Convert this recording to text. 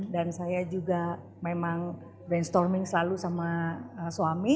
dan saya juga memang brainstorming selalu sama suami